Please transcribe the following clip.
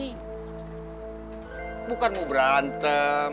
hai bukan mau berantem